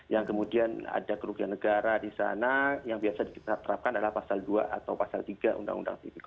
yang kemudian ada kerugian negara di sana yang biasa kita terapkan adalah pasal dua atau pasal tiga undang undang tipikor